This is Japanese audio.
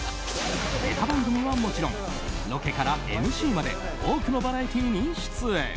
ネタ番組はもちろんロケからＭＣまで多くのバラエティーに出演。